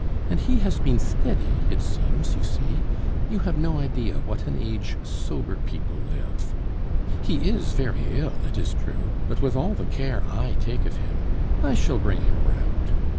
And he has been steady, it seems, you see; you have no idea what an age sober people live. He is very ill, it is true, but with all the care I take of him, I shall bring him round.